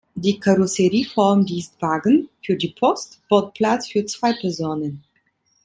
Die Karosserieform Dienstwagen für die Post bot Platz für zwei Personen.